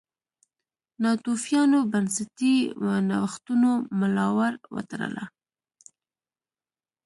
ناتوفیانو بنسټي نوښتونو ملا ور وتړله.